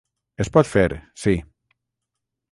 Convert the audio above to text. Es pot fer, sí.